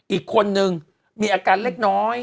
อีกคนนึงมีอาการเล็กน้อย